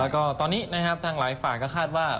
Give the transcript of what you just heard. แล้วก็ตอนนี้นะครับทางหลายฝ่ายก็คาดว่า